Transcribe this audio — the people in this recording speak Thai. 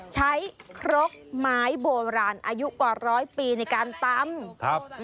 ใช้ครกไม้โบราณอายุกว่า๑๐๐ปีในการตำ